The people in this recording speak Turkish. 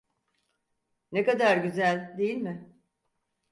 Ne kadar güzel, değil mi?